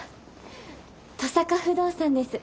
登坂不動産です。